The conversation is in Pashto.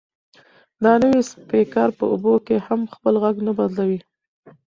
دا نوی سپیکر په اوبو کې هم خپل غږ نه بدلوي.